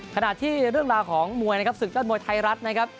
ขณะที่เรื่องราวของมวยนะครับศึกยอดมวยไทยรัฐนะครับ